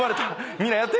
みんなやって。